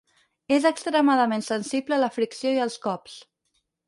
És extremadament sensible a la fricció i als cops.